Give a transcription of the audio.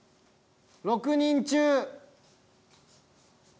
６人中。